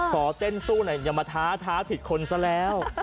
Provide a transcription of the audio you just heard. ขอเต้นสู้หน่อยอย่ามาท้าท้าผิดคนซะแล้ว